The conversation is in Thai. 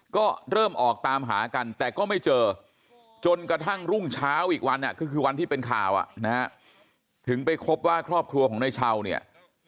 ก็เริ่มออกตามหากันแต่ก็ไม่เจอจนกระทั่งรุ่งเช้าอีกวันก็คือวันที่เป็นข่าวถึงไปพบว่าครอบครัวของนายเช่าเนี่ย